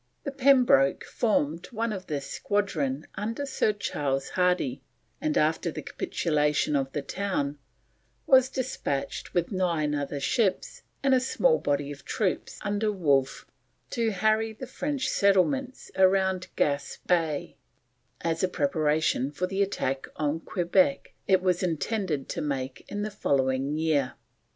The Pembroke formed one of this squadron under Sir Charles Hardy, and after the capitulation of the town, was despatched with nine other ships, and a small body of troops under Wolfe to harry the French settlements around Gaspe Bay as a preparation for the attack on Quebec it was intended to make in the following year.